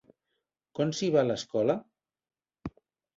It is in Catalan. Com s'hi va, a l'escola?